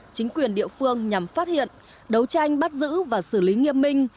chính quyền địa phương nhằm phát hiện đấu tranh bắt giữ và xử lý nghiêm minh